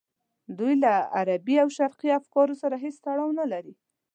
دوی له غربي او شرقي افکارو سره هېڅ تړاو نه لري.